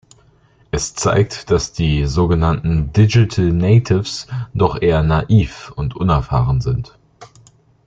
Es zeigt, dass die sogenannten Digital Natives doch eher naiv und unerfahren sind.